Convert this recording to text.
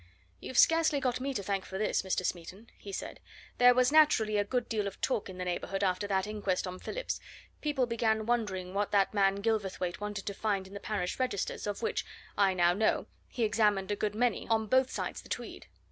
"You've scarcely got me to thank for this, Mr. Smeaton," he said. "There was naturally a good deal of talk in the neighbourhood after that inquest on Phillips people began wondering what that man Gilverthwaite wanted to find in the parish registers, of which, I now know, he examined a good many, on both sides the Tweed.